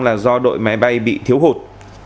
là do đội máy bay bị thiếu hụt